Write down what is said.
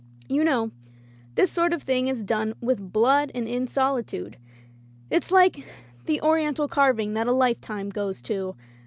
"You know, this sort of thing is done with blood and in solitude. It's like the Oriental carving that a lifetime goes to.